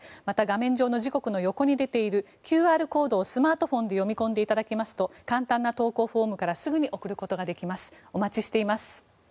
また、画面上の時刻の横に出ているＱＲコードをスマートフォンで読み込んでいただきますと簡単な投稿フォームからすぐに送ることができます。